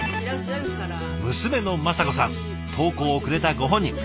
娘の雅子さん投稿をくれたご本人。